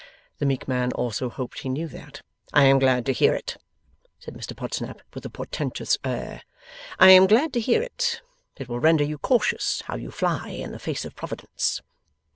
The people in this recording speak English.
The meek man also hoped he knew that. 'I am glad to hear it,' said Mr Podsnap with a portentous air. 'I am glad to hear it. It will render you cautious how you fly in the face of Providence.